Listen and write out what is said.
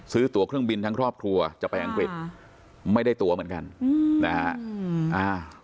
ซื้อตัวเครื่องบินทั้งครอบครัวจะไปอังกฤษไม่ได้ตัวเหมือนกันอืมนะฮะ